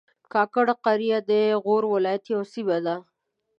کاکړي قریه د غور ولایت یوه سیمه ده